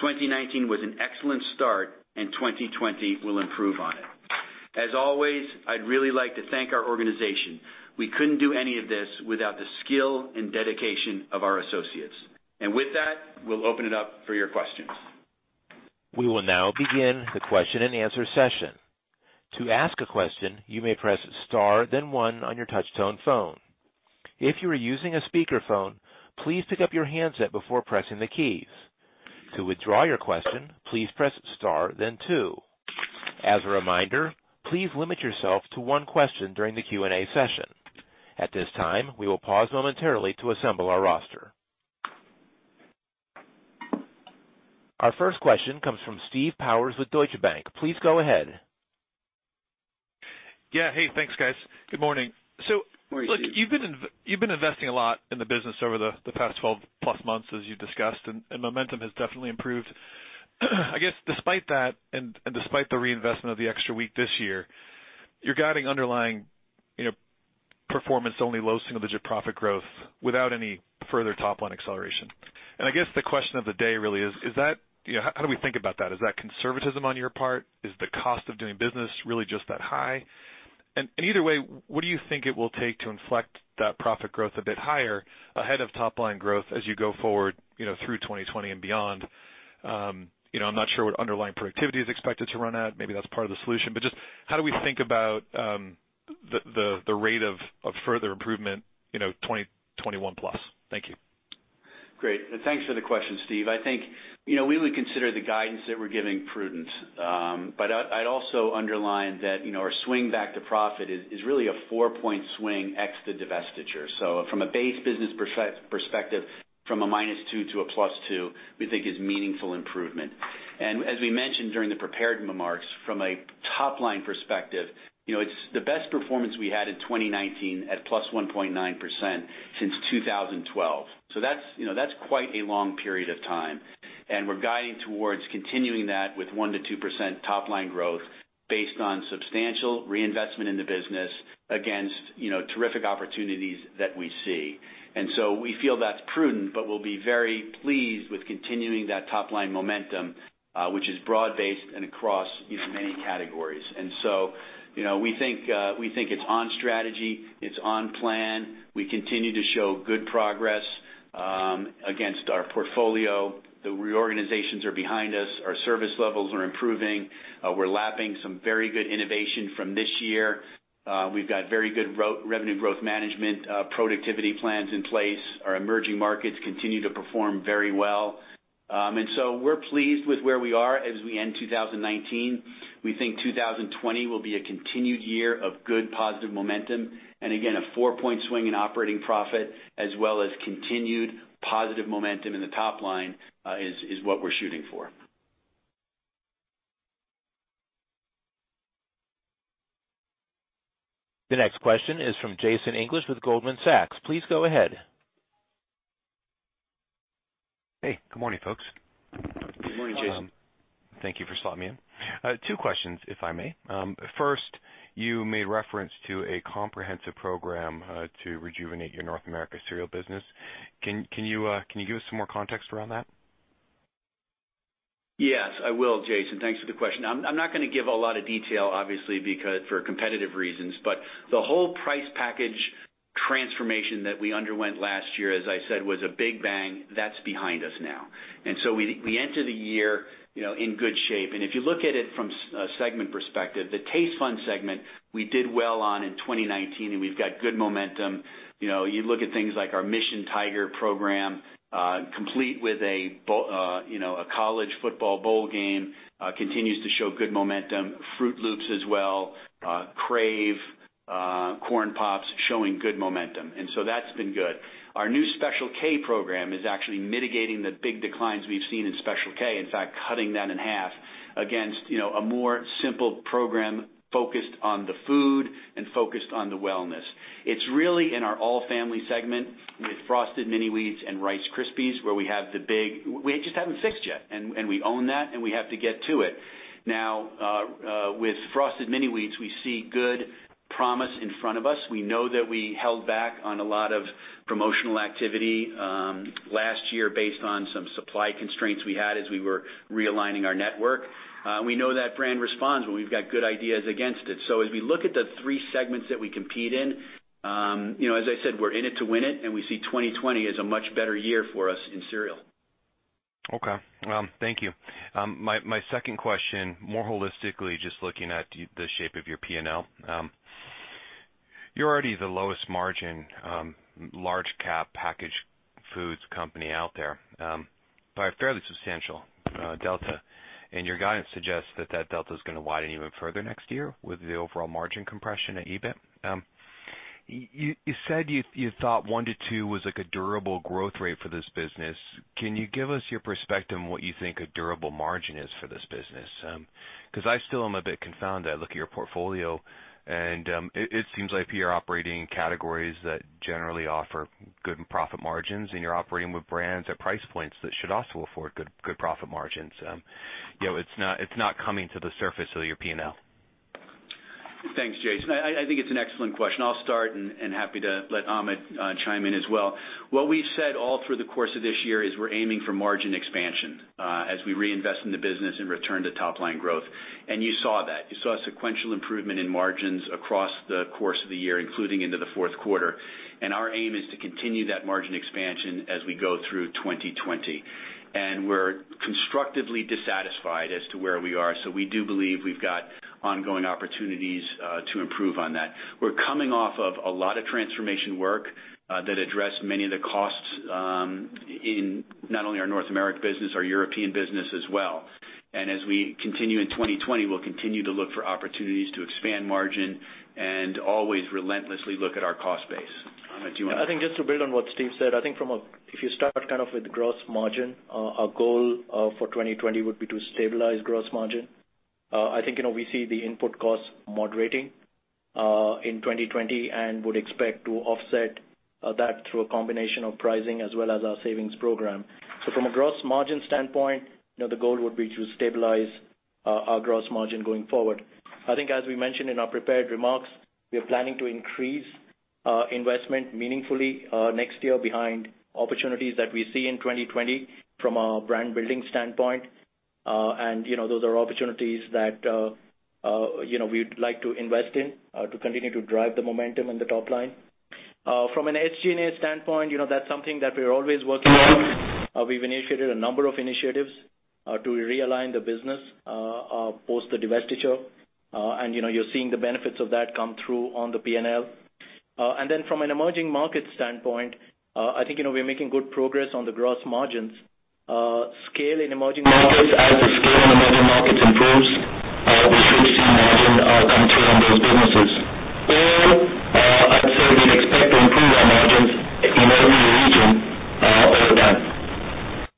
2019 was an excellent start. 2020 will improve on it. As always, I'd really like to thank our organization. We couldn't do any of this without the skill and dedication of our associates. With that, we'll open it up for your questions. We will now begin the question and answer session. To ask a question, you may press star then one on your touch tone phone. If you are using a speakerphone, please pick up your handset before pressing the keys. To withdraw your question, please press star then two. As a reminder, please limit yourself to one question during the Q&A session. At this time, we will pause momentarily to assemble our roster. Our first question comes from Steve Powers with Deutsche Bank. Please go ahead. Yeah. Hey, thanks, guys. Good morning. Look, you've been investing a lot in the business over the past 12+ months, as you've discussed, and momentum has definitely improved. I guess despite that, and despite the reinvestment of the extra week this year, you're guiding underlying performance only low single-digit profit growth without any further top-line acceleration. I guess the question of the day really is, how do we think about that? Is that conservatism on your part? Is the cost of doing business really just that high? Either way, what do you think it will take to inflect that profit growth a bit higher ahead of top-line growth as you go forward through 2020 and beyond? I'm not sure what underlying productivity is expected to run at. Maybe that's part of the solution, but just how do we think about the rate of further improvement 2021+? Thank you. Great. Thanks for the question, Steve. I think we would consider the guidance that we're giving prudent. I'd also underline that our swing back to profit is really a 4-point swing ex the divestiture. From a base business perspective, from a -2 to a +2, we think is meaningful improvement. As we mentioned during the prepared remarks, from a top-line perspective, it's the best performance we had in 2019 at +1.9% since 2012. That's quite a long period of time. We're guiding towards continuing that with 1%-2% top-line growth based on substantial reinvestment in the business against terrific opportunities that we see. We feel that's prudent, but we'll be very pleased with continuing that top-line momentum, which is broad-based and across these many categories. We think it's on strategy, it's on plan. We continue to show good progress against our portfolio. The reorganizations are behind us. Our service levels are improving. We're lapping some very good innovation from this year. We've got very good revenue growth management productivity plans in place. Our emerging markets continue to perform very well. So we're pleased with where we are as we end 2019. We think 2020 will be a continued year of good positive momentum, and again, a 4-point swing in operating profit as well as continued positive momentum in the top line is what we're shooting for. The next question is from Jason English with Goldman Sachs. Please go ahead. Hey, good morning, folks. Good morning, Jason. Thank you for slotting me in. Two questions, if I may. First, you made reference to a comprehensive program to rejuvenate your North America Cereal business. Can you give us some more context around that? Yes, I will, Jason. Thanks for the question. I'm not going to give a lot of detail, obviously, for competitive reasons, but the whole price package transformation that we underwent last year, as I said, was a big bang. That's behind us now. We enter the year in good shape. If you look at it from a segment perspective, the Taste/Fun segment we did well on in 2019, and we've got good momentum. You look at things like our Mission Tiger program, complete with a college football bowl game continues to show good momentum, Froot Loops as well, Krave, Corn Pops showing good momentum. That's been good. Our new Special K program is actually mitigating the big declines we've seen in Special K. In fact, cutting that in half against a more simple program focused on the food and focused on the wellness. It's really in our All Family segment with Frosted Mini-Wheats and Rice Krispies, where we just haven't fixed yet, and we own that, and we have to get to it. Now, with Frosted Mini-Wheats, we see good promise in front of us. We know that we held back on a lot of promotional activity last year based on some supply constraints we had as we were realigning our network. We know that brand responds when we've got good ideas against it. As we look at the three segments that we compete in, as I said, we're in it to win it, and we see 2020 as a much better year for us in Cereal. Okay. Thank you. My second question, more holistically, just looking at the shape of your P&L. You're already the lowest margin, large-cap packaged foods company out there by a fairly substantial delta. Your guidance suggests that that delta's going to widen even further next year with the overall margin compression at EBIT. You said you thought 1%-2% was a durable growth rate for this business. Can you give us your perspective on what you think a durable margin is for this business? I still am a bit confounded. I look at your portfolio, it seems like you're operating in categories that generally offer good profit margins. You're operating with brands at price points that should also afford good profit margins. It's not coming to the surface of your P&L. Thanks, Jason. I think it's an excellent question. I'll start and happy to let Amit chime in as well. What we've said all through the course of this year is we're aiming for margin expansion as we reinvest in the business and return to top-line growth. You saw that. You saw sequential improvement in margins across the course of the year, including into the fourth quarter. Our aim is to continue that margin expansion as we go through 2020. We're constructively dissatisfied as to where we are. We do believe we've got ongoing opportunities to improve on that. We're coming off of a lot of transformation work that addressed many of the costs in not only our North America business, our European business as well. As we continue in 2020, we'll continue to look for opportunities to expand margin and always relentlessly look at our cost base. Amit, do you want to. I think just to build on what Steve said, I think if you start with gross margin, our goal for 2020 would be to stabilize gross margin. I think we see the input cost moderating in 2020 and would expect to offset that through a combination of pricing as well as our savings program. From a gross margin standpoint, the goal would be to stabilize our gross margin going forward. I think as we mentioned in our prepared remarks, we are planning to increase investment meaningfully next year behind opportunities that we see in 2020 from a brand-building standpoint. Those are opportunities that we would like to invest in to continue to drive the momentum in the top line. From an SG&A standpoint, that's something that we're always working on. We've initiated a number of initiatives to realign the business post the divestiture. You're seeing the benefits of that come through on the P&L. From an emerging market standpoint, I think we're making good progress on the gross margins. As the scale in emerging markets improves, we should see margin come through on those businesses. I'd say we'd expect to improve our margins in every region over time.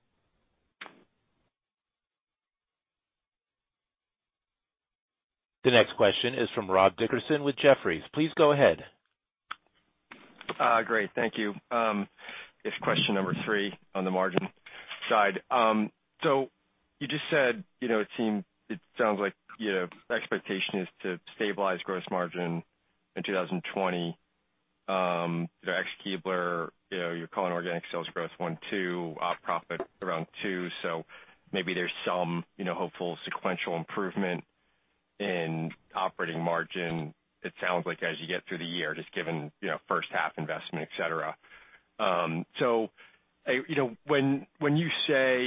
The next question is from Rob Dickerson with Jefferies. Please go ahead. Great. Thank you. It's question number three on the margin side. You just said, it sounds like your expectation is to stabilize gross margin in 2020. Ex Keebler, you're calling organic sales growth 1%, 2%, op profit around 2%, so maybe there's some hopeful sequential improvement in operating margin, it sounds like as you get through the year, just given first half investment, et cetera. When you say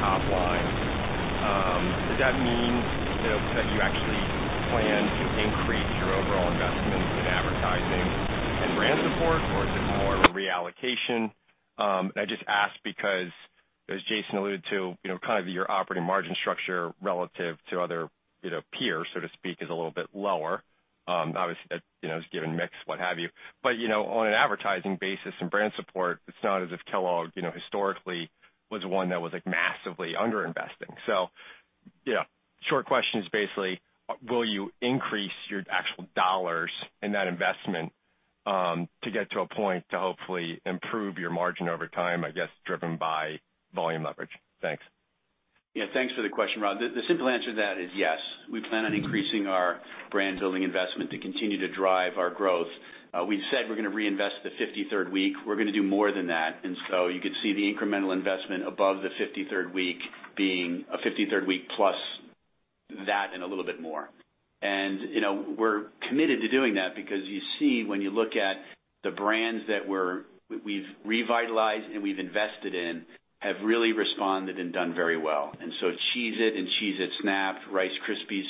top lines. Does that mean that you actually plan to increase your overall investments in advertising and brand support, or is it more of a reallocation? I just ask because as Jason alluded to, kind of your operating margin structure relative to other peers, so to speak, is a little bit lower. Obviously, that is given mix, what have you. On an advertising basis and brand support, it's not as if Kellogg historically was one that was massively under-investing. Short question is basically will you increase your actual dollars in that investment to get to a point to hopefully improve your margin over time, I guess, driven by volume leverage? Thanks. Thanks for the question, Rob. The simple answer to that is yes. We plan on increasing our brand building investment to continue to drive our growth. We've said we're going to reinvest the 53rd week. We're going to do more than that. You could see the incremental investment above the 53rd week being a 53rd week plus that and a little bit more. We're committed to doing that because you see when you look at the brands that we've revitalized and we've invested in, have really responded and done very well. Cheez-It and Cheez-It Snap'd, Rice Krispies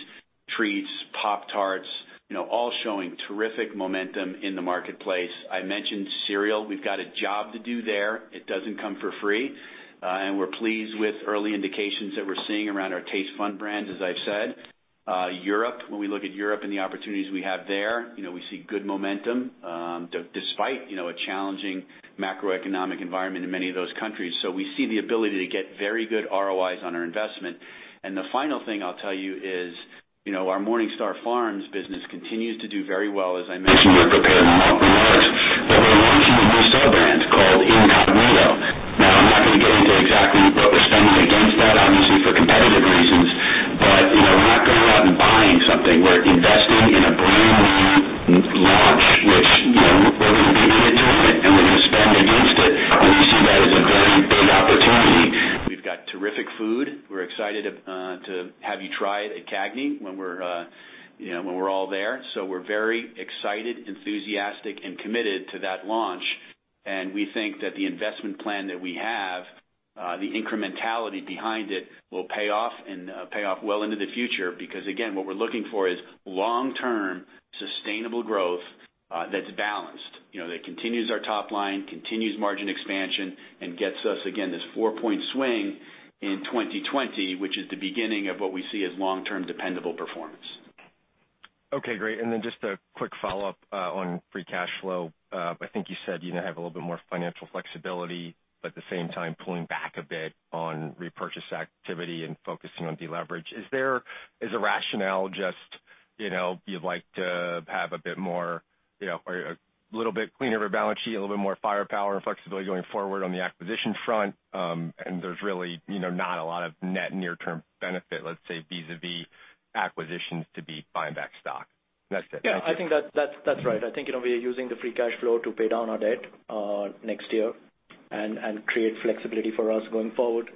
Treats, Pop-Tarts, all showing terrific momentum in the marketplace. I mentioned cereal. We've got a job to do there. It doesn't come for free. We're pleased with early indications that we're seeing around our Taste/Fun brands, as I've said. Europe, when we look at Europe and the opportunities we have there, we see good momentum, despite a challenging macroeconomic environment in many of those countries. We see the ability to get very good ROIs on our investment. The final thing I'll tell you is our MorningStar Farms business continues to do very well, as I mentioned in prepared remarks, but we're launching a new sub-brand called Incogmeato. I'm not going to get into exactly what we're spending against that, obviously for competitive reasons. We're not going out and buying something. We're investing in a brand launch, which we're going to be committed to and we're going to spend against it because we see that as a very big opportunity. We've got terrific food. We're excited to have you try it at CAGNY when we're all there. We're very excited, enthusiastic, and committed to that launch, and we think that the investment plan that we have, the incrementality behind it will pay off and pay off well into the future because again, what we're looking for is long-term sustainable growth that's balanced, that continues our top line, continues margin expansion, and gets us, again, this 4-point swing in 2020, which is the beginning of what we see as long-term dependable performance. Okay, great. Then just a quick follow-up on free cash flow. I think you said you now have a little bit more financial flexibility, but at the same time, pulling back a bit on repurchase activity and focusing on deleverage. Is the rationale just you'd like to have a little bit cleaner of a balance sheet, a little bit more firepower and flexibility going forward on the acquisition front and there's really not a lot of net near-term benefit, let's say, vis-à-vis acquisitions to be buying back stock? That's it, thank you. I think that's right. I think we are using the free cash flow to pay down our debt next year and create flexibility for us going forward.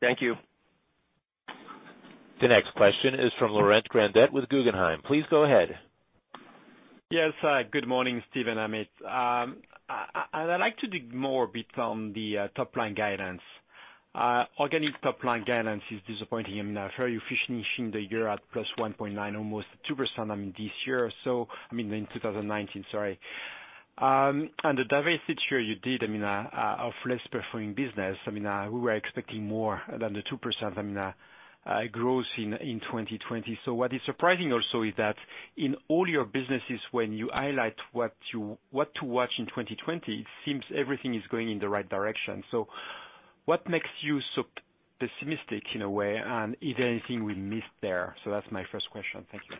Thank you. The next question is from Laurent Grandet with Guggenheim. Please go ahead. Yes. Good morning, Steve and Amit. I'd like to dig more a bit on the top-line guidance. Organic top-line guidance is disappointing. I mean, I hear you finishing the year at +1.9%, almost 2% this year or so, I mean in 2019, sorry. The diversity you did of less performing business, we were expecting more than the 2% growth in 2020. What is surprising also is that in all your businesses when you highlight what to watch in 2020, it seems everything is going in the right direction. What makes you so pessimistic in a way and is there anything we missed there? That's my first question. Thank you.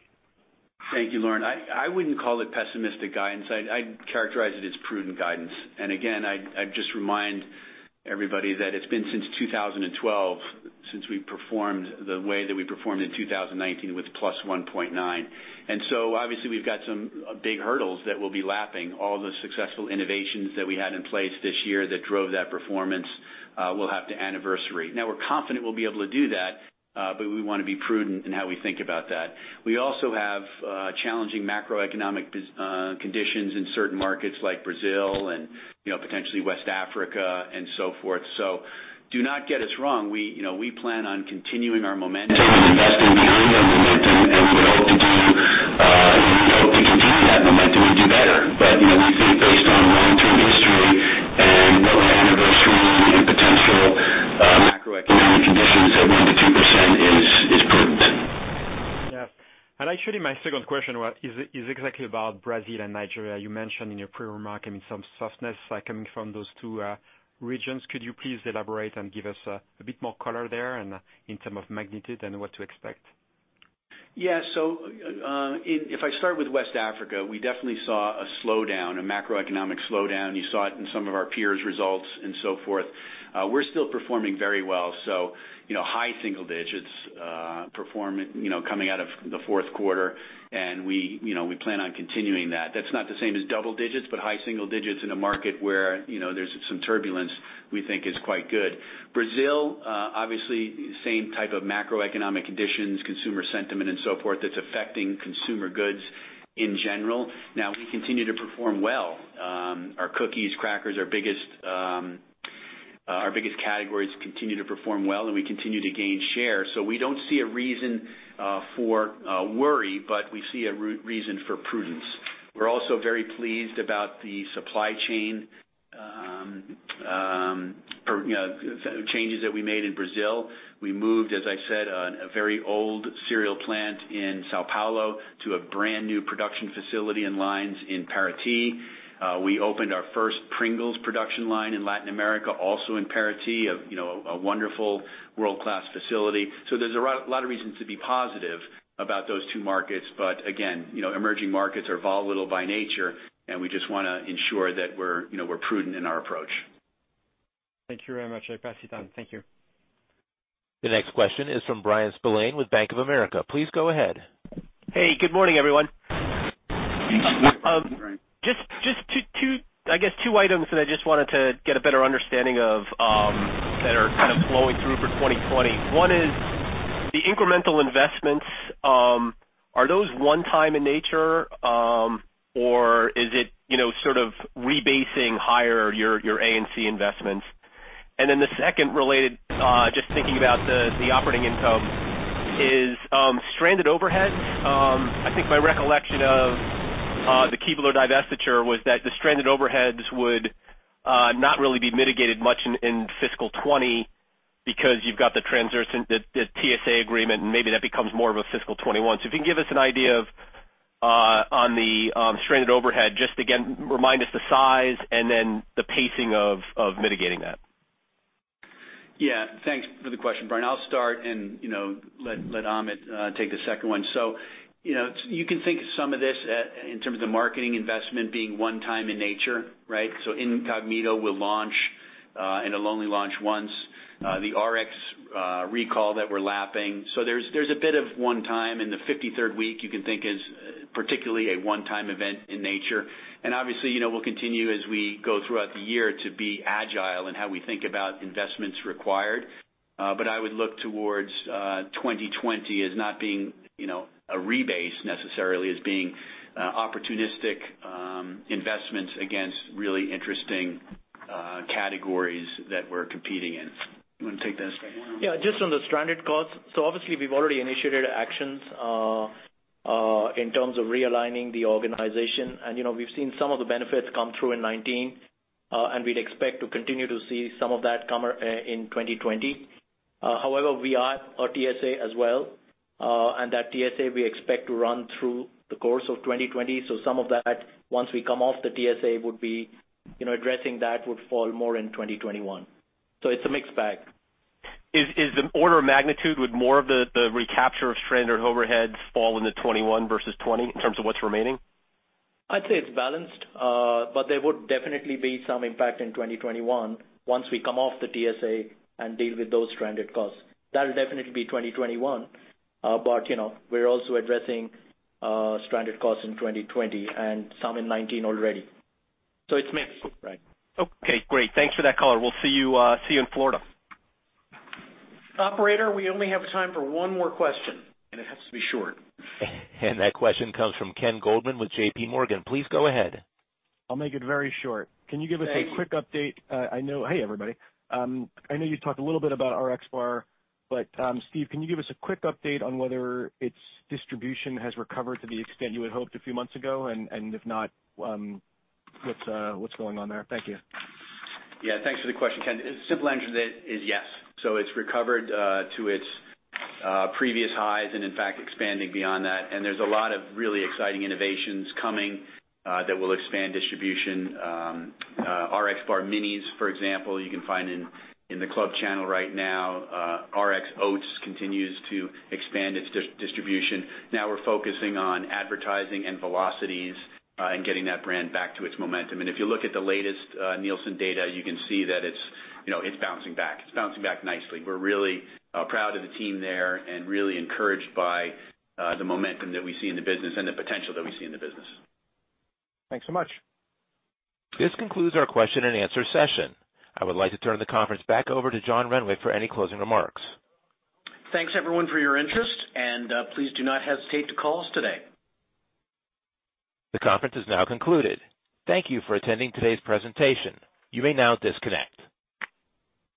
Thank you, Laurent. I wouldn't call it pessimistic guidance. I'd characterize it as prudent guidance. Again, I'd just remind everybody that it's been since 2012 since we performed the way that we performed in 2019 with +1.9. Obviously we've got some big hurdles that we'll be lapping all the successful innovations that we had in place this year that drove that performance will have to anniversary. Now we're confident we'll be able to do that, but we want to be prudent in how we think about that. We also have challenging macroeconomic conditions in certain markets like Brazil and potentially West Africa and so forth. Do not get us wrong. We plan on continuing our momentum and investing behind our momentum as we hope to continue that momentum and do better. We think based on long-term history and what will anniversary and potential macroeconomic conditions that 1%-2% is prudent. Yeah. Actually my second question is exactly about Brazil and Nigeria. You mentioned in your pre-remark, some softness coming from those two regions. Could you please elaborate and give us a bit more color there in terms of magnitude and what to expect? Yeah. If I start with West Africa, we definitely saw a macroeconomic slowdown. You saw it in some of our peers' results and so forth. We're still performing very well. High single digits coming out of the fourth quarter and we plan on continuing that. That's not the same as double digits, high single digits in a market where there's some turbulence we think is quite good. Brazil. Obviously, same type of macroeconomic conditions, consumer sentiment, and so forth, that's affecting consumer goods in general. We continue to perform well. Our cookies, crackers, our biggest categories continue to perform well, and we continue to gain share. We don't see a reason for worry, we see a reason for prudence. We're also very pleased about the supply chain changes that we made in Brazil. We moved, as I said, a very old cereal plant in São Paulo to a brand-new production facility and lines in Parati. We opened our first Pringles production line in Latin America, also in Parati, a wonderful world-class facility. There's a lot of reasons to be positive about those two markets. Again, emerging markets are volatile by nature, and we just want to ensure that we're prudent in our approach. Thank you very much. I pass it on. Thank you. The next question is from Bryan Spillane with Bank of America. Please go ahead. Hey, good morning, everyone. Just two items that I just wanted to get a better understanding of that are kind of flowing through for 2020. One is the incremental investments. Are those one-time in nature? Is it sort of rebasing higher your A&P investments? The second related, just thinking about the operating income is stranded overhead. I think my recollection of the Keebler divestiture was that the stranded overheads would not really be mitigated much in FY 2020 because you've got the TSA Agreement, and maybe that becomes more of a FY 2021. If you can give us an idea on the stranded overhead, just again, remind us the size and then the pacing of mitigating that. Yeah. Thanks for the question, Bryan. I'll start and let Amit take the second one. You can think of some of this in terms of marketing investment being one time in nature, right? Incogmeato will launch, and it'll only launch once. The RXBAR recall that we're lapping. There's a bit of one time in the 53rd week you can think is particularly a one-time event in nature. Obviously, we'll continue as we go throughout the year to be agile in how we think about investments required. I would look towards 2020 as not being a rebase necessarily, as being opportunistic investments against really interesting categories that we're competing in. You want to take this one? Yeah, just on the stranded costs. Obviously, we've already initiated actions in terms of realigning the organization, and we've seen some of the benefits come through in 2019, and we'd expect to continue to see some of that come in 2020. However, we are a TSA as well, and that TSA, we expect to run through the course of 2020. Some of that, once we come off the TSA, addressing that would fall more in 2021. It's a mixed bag. Is the order of magnitude with more of the recapture of stranded overheads fall into 2021 versus 2020 in terms of what's remaining? I'd say it's balanced, but there would definitely be some impact in 2021 once we come off the TSA and deal with those stranded costs. That'll definitely be 2021. We're also addressing stranded costs in 2020 and some in 2019 already. It's mixed. Right. Okay, great. Thanks for that color. We'll see you in Florida. Operator, we only have time for one more question, and it has to be short. That question comes from Ken Goldman with JPMorgan. Please go ahead. I'll make it very short. Hey. Hey, everybody. I know you talked a little bit about RXBAR, but Steve, can you give us a quick update on whether its distribution has recovered to the extent you had hoped a few months ago? If not, what's going on there? Thank you. Thanks for the question, Ken. The simple answer to that is yes. It's recovered to its previous highs and in fact, expanding beyond that. There's a lot of really exciting innovations coming that will expand distribution. RXBAR Minis, for example, you can find in the club channel right now. RX Oats continues to expand its distribution. Now we're focusing on advertising and velocities and getting that brand back to its momentum. If you look at the latest Nielsen data, you can see that it's bouncing back. It's bouncing back nicely. We're really proud of the team there and really encouraged by the momentum that we see in the business and the potential that we see in the business. Thanks so much. This concludes our question and answer session. I would like to turn the conference back over to John Renwick for any closing remarks. Thanks everyone for your interest, and please do not hesitate to call us today. The conference is now concluded. Thank you for attending today's presentation. You may now disconnect.